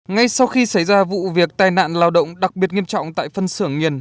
ngay sau khi xảy ra vụ việc tai nạn lao động đặc biệt nghiêm trọng tại phân xưởng nhiền